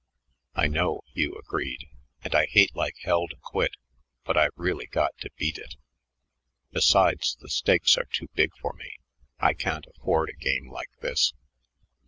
"I know," Hugh agreed, "and I hate like hell to quit, but I've really got to beat it. Besides, the stakes are too big for me. I can't afford a game like this."